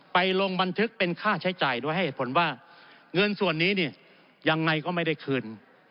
ลงบันทึกเป็นค่าใช้จ่ายด้วยให้เหตุผลว่าเงินส่วนนี้เนี่ยยังไงก็ไม่ได้คืน